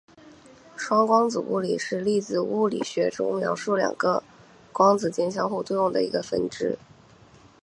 双光子物理是粒子物理学中描述两个光子间相互作用的一个分支。